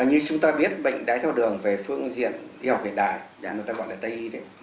như chúng ta biết bệnh đáy thao đường về phương diện y học hiện đại dạng người ta gọi là tây y